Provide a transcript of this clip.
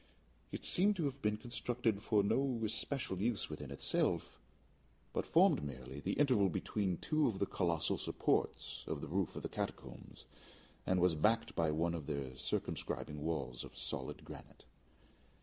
It seemed to have been constructed for no especial use within itself, but formed merely the interval between two of the colossal supports of the roof of the catacombs, and was backed by one of their circumscribing walls of solid granite.